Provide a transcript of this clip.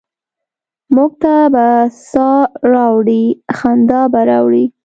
موږ ته به سا ه راوړي، خندا به راوړي؟